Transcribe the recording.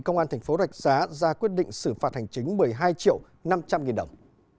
công an thành phố rạch giá ra quyết định xử phạt hành chính một mươi hai triệu năm trăm linh nghìn đồng